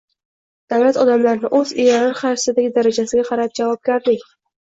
Davlat odamlarni o‘z iyerarxiyasidagi darajasiga qarab - javobgarlik